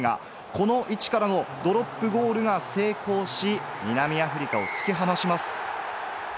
この位置からのドロップゴールが成功し、南アフリカを突き放します。